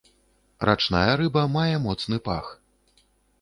Рачная рыба мае моцны пах.